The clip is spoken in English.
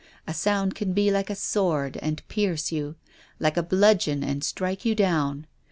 A sound can be like a sword and pierce you, like a bludgeon and strike you down.